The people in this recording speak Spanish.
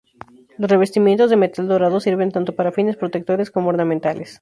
Los revestimientos de metal dorado sirven tanto para fines protectores como ornamentales.